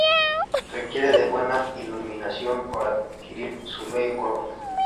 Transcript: Requiere de buena iluminación para adquirir su bello color.